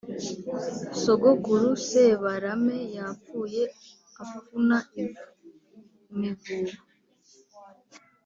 Sogokuru Sebarame yapfuye apfuna ivu.-Imivuba.